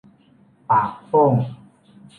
ปากโป้ง